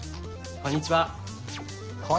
こんにちは。